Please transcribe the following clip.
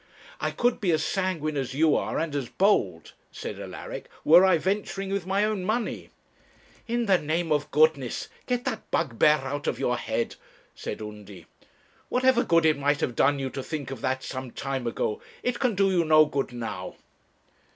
'I could be as sanguine as you are, and as bold,' said Alaric, 'were I venturing with my own money.' 'In the name of goodness get that bugbear out of your head,' said Undy. 'Whatever good it might have done you to think of that some time ago, it can do you no good now.'